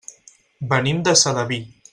Venim de Sedaví.